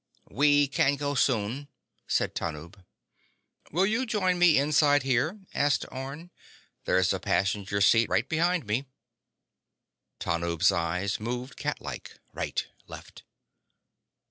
"We can go soon," said Tanub. "Will you join me inside here?" asked Orne. "There's a passenger seat right behind me." Tanub's eyes moved catlike: right, left.